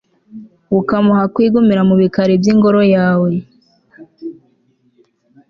ukamuha kwigumira mu bikari by'ingoro yawe